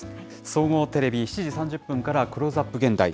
総合テレビ、７時３０分からクローズアップ現代。